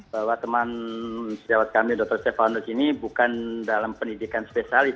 bahwa teman sejawat kami dr stefanus ini bukan dalam pendidikan spesialis